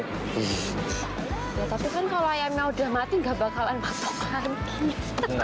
ya tapi kan kalau ayamnya udah mati gak bakalan patok kakinya